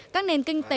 các nền kinh tế